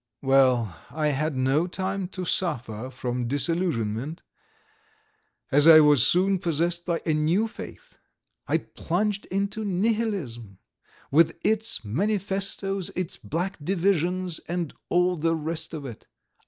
Well, I had no time to suffer from disillusionment, as I was soon possessed by a new faith. I plunged into Nihilism, with its manifestoes, its 'black divisions,' and all the rest of it.